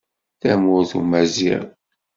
Tamurt umaziɣ.